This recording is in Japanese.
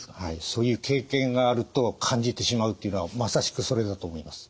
そういう経験があると感じてしまうっていうのはまさしくそれだと思います。